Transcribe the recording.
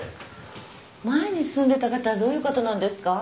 前に住んでた方はどういう方なんですか？